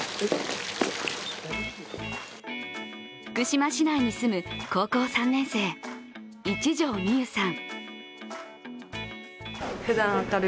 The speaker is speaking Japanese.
福島市内に住む高校３年生一条美悠さん。